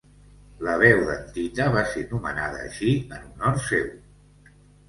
La beudantita va ser nomenada així en honor seu.